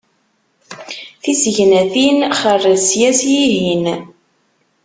Tisegnatin xarez sya s yihin.